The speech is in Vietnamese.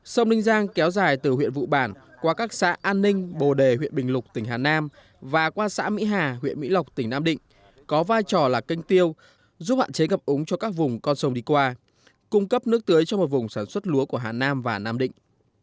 sông ninh giang kéo dài từ huyện vụ bản qua các xã an ninh bồ đề huyện bình lục tỉnh hà nam và qua xã mỹ hà huyện mỹ lộc tỉnh nam định có vai trò là canh tiêu giúp hạn chế ngập ống cho các vùng con sông đi qua cung cấp nước tưới cho một vùng sản xuất lúa của hà nam và nam định